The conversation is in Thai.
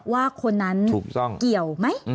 ว่าคนนั้นเกี่ยวไหม